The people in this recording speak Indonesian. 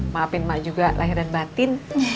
maafin mak juga lahir dan batin